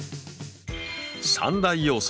３大要素